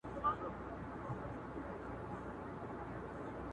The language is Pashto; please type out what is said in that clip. چې په خبره یې اعتبار وکړلای شي